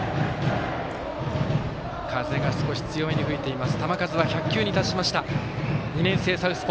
風が少し強めに吹いています。